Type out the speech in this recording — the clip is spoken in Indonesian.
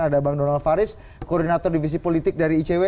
ada bang donald faris koordinator divisi politik dari icw